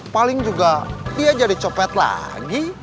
paling juga dia jadi copet lagi